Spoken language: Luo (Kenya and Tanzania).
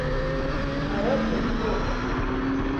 Aol kod wuotho